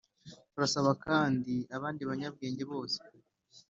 turasaba kandi abandi banyabwenge bose